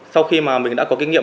sau khi mình đã có kinh nghiệm